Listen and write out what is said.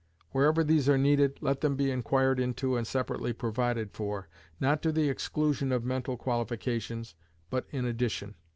Wherever these are needed, let them be inquired into and separately provided for, not to the exclusion of mental qualifications, but in addition.